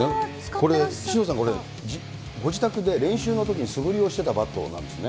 これ、潮田さん、これ、ご自宅で練習のときに素振りをしてたバットなんですね。